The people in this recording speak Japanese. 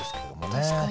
確かに。